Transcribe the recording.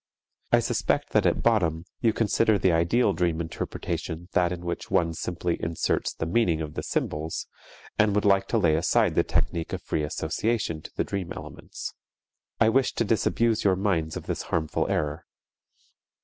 I suspect that at bottom you consider the ideal dream interpretation that in which one simply inserts the meaning of the symbols, and would like to lay aside the technique of free association to the dream elements. I wish to disabuse your minds of this harmful error.